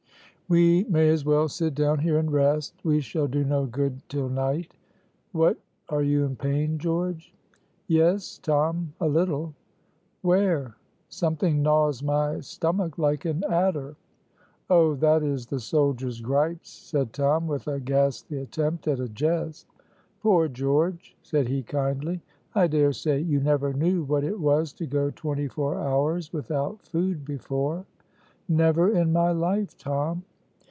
"We may as well sit down here and rest; we shall do no good till night. What, are you in pain, George?" "Yes, Tom, a little." "Where?" "Something gnaws my stomach like an adder." "Oh, that is the soldier's gripes," said Tom, with a ghastly attempt at a jest. "Poor George!" said he, kindly, "I dare say you never knew what it was to go twenty four hours without food before." "Never in my life, Tom."